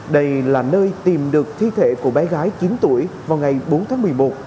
đây là nơi tìm được thi thể của bé gái chín tuổi vào ngày bốn tháng một mươi một